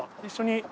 一緒に。